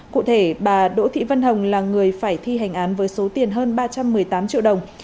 cụ thể bà đỗ thị vân hồng là người phải thi hành án với số tiền hơn ba trăm một mươi tám triệu đồng